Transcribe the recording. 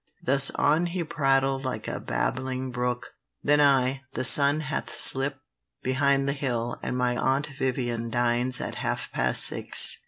Thus on he prattled like a babbling brook. Then I, "The sun hath slipt behind the hill, And my aunt Vivian dines at half past six."